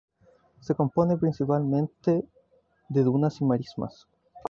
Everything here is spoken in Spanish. Se compone principalmente de dunas y marismas.